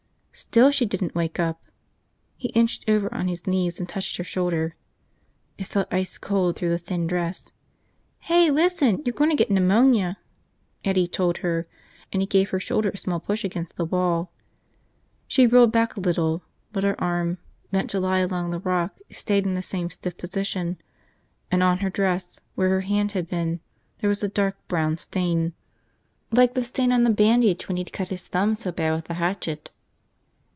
Still she didn't wake up. He inched over on his knees and touched her shoulder. It felt ice cold through the thin dress. "Hey, listen, you're gonna get pneumonia," Eddie told her, and he gave her shoulder a small push against the wall. She rolled back a little but her arm, bent to lie along the rock, stayed in the same stiff position and on her dress, where her hand had been, there was a dark brown stain. Like the stain on the bandage when he'd cut his thumb so bad with the hatchet.